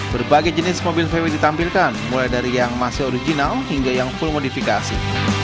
berbagai jenis mobil vw ditampilkan mulai dari yang masih original hingga yang full modifikasi